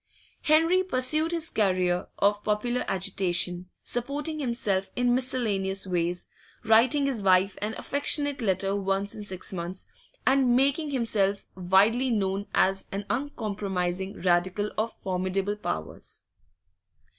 Henry pursued his career of popular agitation, supporting himself in miscellaneous ways, writing his wife an affectionate letter once in six months, and making himself widely known as an uncompromising Radical of formidable powers.